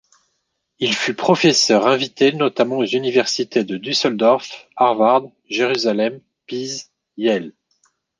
Il fut professeur invité notamment aux Universités de Düsseldorf, Harvard, Jérusalem, Pise, Yale.